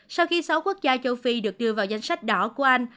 sau khi sáu quốc gia châu phi được đưa vào danh sách đỏ của anh